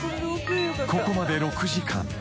［ここまで６時間］